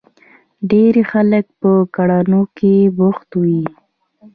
ډېری خلک په کړنو کې بوخت وي.